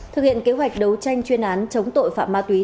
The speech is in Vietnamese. thực hiện kế hoạch đấu tranh chuyên án chống tội phạm ma túy